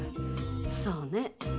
そうね。